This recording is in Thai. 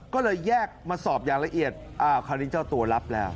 ก็เลยแยกมาสอบอย่างละเอียดอ้าวคราวนี้เจ้าตัวรับแล้ว